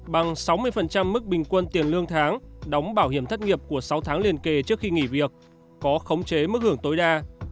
bằng sáu mươi mức bình quân tiền lương tháng đóng bảo hiểm thất nghiệp của sáu tháng liên kề trước khi nghỉ việc có khống chế mức hưởng tối đa